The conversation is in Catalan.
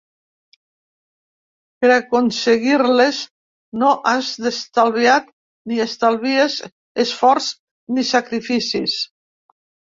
Per aconseguir-les no has estalviat –ni estalvies– esforç ni sacrificis.